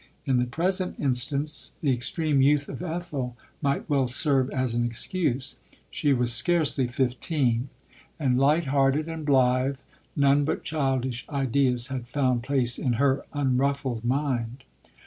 In the present instance, the extreme youth of Ethel might well serve as an excuse. She was scarcely fifteen ; and, light hearted and blithe, LODORE. 59 none but childish ideas had found place in her unruffled mind.